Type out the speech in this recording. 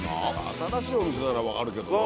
新しいお店ならわかるけどな。